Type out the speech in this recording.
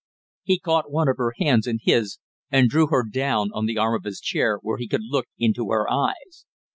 He caught one of her hands in his and drew her down on the arm of his chair where he could look into her eyes.